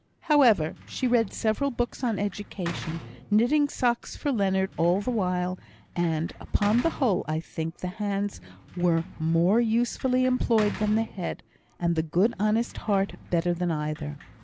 However, she read several books on education, knitting socks for Leonard all the while; and, upon the whole, I think, the hands were more usefully employed than the head, and the good honest heart better than either.